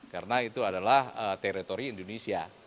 karena itu adalah teritori indonesia